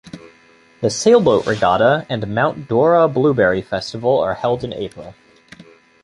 The Sailboat Regatta and Mount Dora Blueberry Festival are held in April.